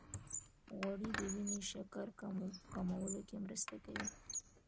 غوړې د وینې شکر کمولو کې مرسته کوي.